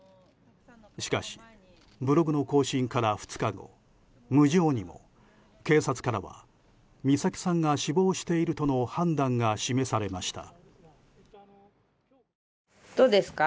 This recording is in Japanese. しかし、ブログの更新から２日後無情にも警察からは美咲さんが死亡しているとの判断が示されました。